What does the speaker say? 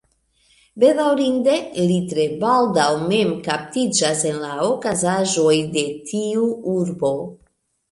Bedaŭrinde, li tre baldaŭ mem kaptiĝas en la okazaĵoj de tiu urbo.